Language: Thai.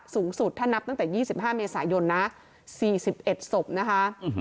สูงสุดถ้านับตั้งแต่๒๕เมษายนนะ๔๑ศพนะคะ